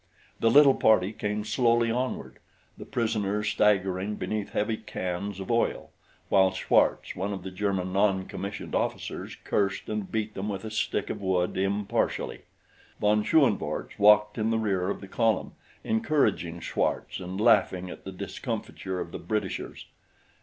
The little party came slowly onward, the prisoners staggering beneath heavy cans of oil, while Schwartz, one of the German noncommissioned officers cursed and beat them with a stick of wood, impartially. Von Schoenvorts walked in the rear of the column, encouraging Schwartz and laughing at the discomfiture of the Britishers.